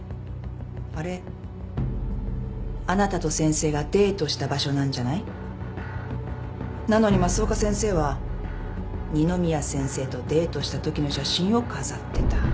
あれあなたと先生がデートした場所なんじゃない？なのに増岡先生は二宮先生とデートしたときの写真を飾ってた。